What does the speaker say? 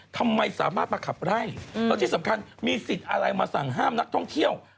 ทำไมสามารถมาขับไล่แล้วที่สำคัญมีสิทธิ์อะไรมาสั่งห้ามนักท่องเที่ยว